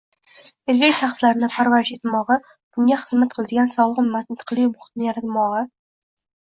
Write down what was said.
erkin shaxslarni parvarish etmog‘i, bunga xizmat qiladigan sog‘lom mantiqli muhitni yaratmog‘i